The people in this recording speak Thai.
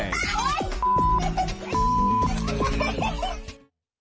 โอ้ยบิ๊บ